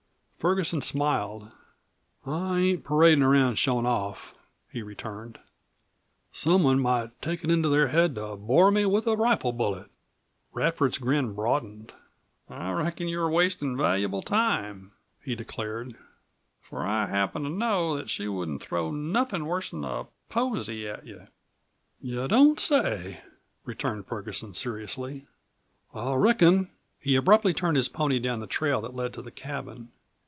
Ferguson smiled. "I ain't paradin' around showin' off," he returned. "Someone might take it into their head to bore me with a rifle bullet." Radford's grin broadened. "I reckon you're wastin' valuable time," he declared. "For I happen to know that she wouldn't throw nothing worse'n a posy at you!" "You don't say?" returned Ferguson seriously. "I reckon " He abruptly turned his pony down the trail that led to the cabin.